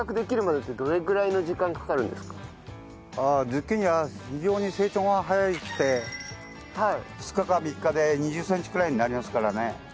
ズッキーニは非常に成長が早くて２日か３日で２０センチくらいになりますからね。